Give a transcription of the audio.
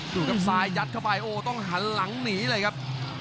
ดูครับซ้ายยัดเข้าไปโอ้ต้องหันหลังหนีเลยครับ